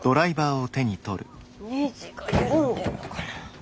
ネジが緩んでるのかな？